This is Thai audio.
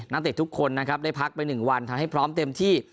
เตะทุกคนนะครับได้พักไป๑วันทำให้พร้อมเต็มที่